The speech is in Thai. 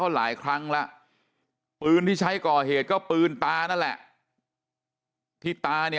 เขาหลายครั้งละปืนที่ใช้ก่อเหตุก็ปืนป้านะแหละที่ป้านี้